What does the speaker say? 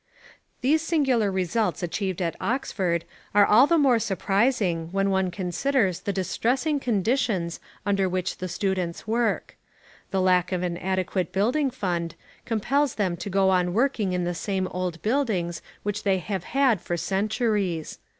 These singular results achieved at Oxford are all the more surprising when one considers the distressing conditions under which the students work. The lack of an adequate building fund compels them to go on working in the same old buildings which they have had for centuries.